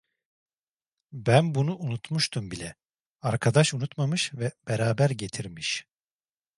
Ben bunu unutmuştum bile, arkadaş unutmamış ve beraber getirmiş.